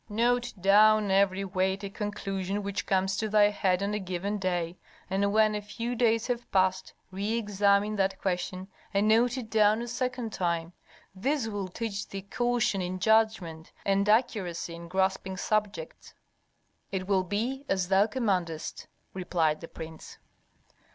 Note down every weighty conclusion which comes to thy head on a given day, and when a few days have passed reëxamine that question and note it down a second time. This will teach thee caution in judgment and accuracy in grasping subjects." "It will be as thou commandest," replied the prince.